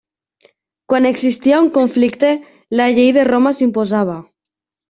Quan existia un conflicte, la Llei de Roma s'imposava.